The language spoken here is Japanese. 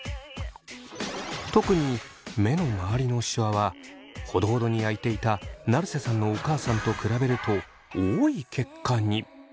特に目の周りのシワはほどほどに焼いていた成瀬さんのお母さんと比べると多い結果に。